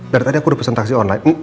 dari tadi aku udah pesen taksi online